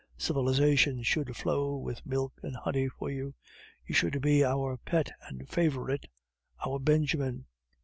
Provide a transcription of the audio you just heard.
Civilization should flow with milk and honey for you. You should be our pet and favorite, our Benjamin.